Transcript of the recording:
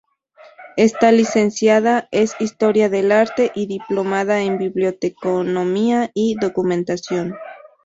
Está licenciada en Historia del arte y diplomada en Biblioteconomía y Documentación.